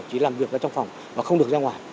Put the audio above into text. chỉ làm việc ở trong phòng và không được ra ngoài